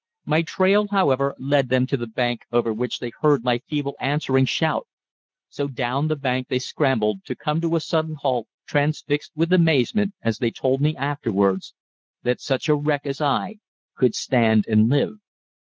My trail, however, led them to the bank over which they heard my feeble answering shout. So down the bank they scrambled, to come to a sudden halt, transfixed with amazement, as they told me afterwards, that such a wreck as I could stand and live.